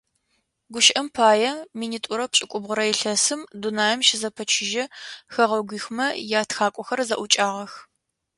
Гущыӏэм пае, минитӏурэ пшӏыкӏубгъурэ илъэсым дунаим щызэпэчыжьэ хэгъэгуихмэ ятхакӏохэр зэӏукӏагъэх.